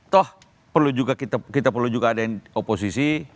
toh kita juga perlu ada yang di oposisi